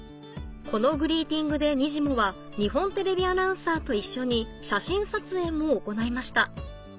このグリーティングでにじモは日本テレビアナウンサーと一緒に写真撮影も行いました